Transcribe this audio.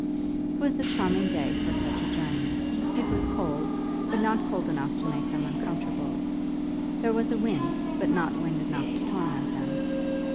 It was a charming day for such a journey. It was cold, but not cold enough to make them uncomfortable. There was a wind, but not wind enough to torment them.